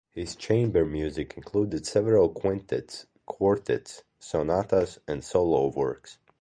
His chamber music includes several quintets, quartets, sonatas and solo works.